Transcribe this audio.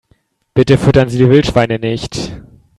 Bitte füttern Sie die Wildschweine nicht!